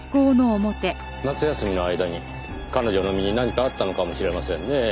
夏休みの間に彼女の身に何かあったのかもしれませんねぇ。